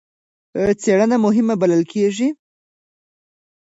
څېړنه مهمه بلل کېږي.